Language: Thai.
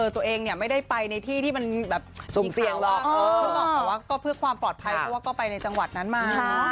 จากปลอยที่บอกว่าเขาไปในจังหวัดนั้นมา